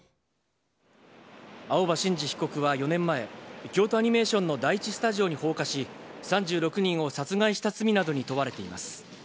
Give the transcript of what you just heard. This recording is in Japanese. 青葉真司被告は４年前、京都アニメーションの第１スタジオに放火し、３６人を殺害した罪などに問われています。